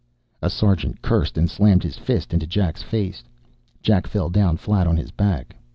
A sergeant cursed and slammed his fist into Jack's face. Jack fell down, flat on his back.